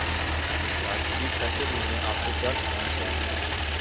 Karachi eat festival میں اپ کو کیا کھانا چاہیے